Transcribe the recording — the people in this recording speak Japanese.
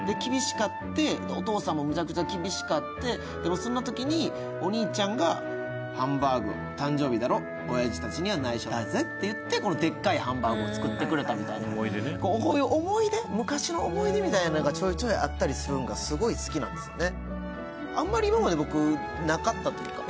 お父さんもめちゃめちゃ厳しかって、そんなときにお兄ちゃんがハンバーグ、誕生日だろ、親父達には内緒だぜって言って、このでっかいハンバーグを作ってくれたみたいこういう昔の思い出みたいなのがちょいちょいあったりするのがすごい好きなんですよね。